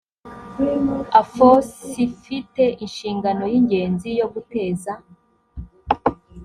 afos ifite inshingano y ingenzi yo guteza